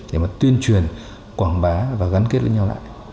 để mà tuyên truyền quảng bá và gắn kết với nhau lại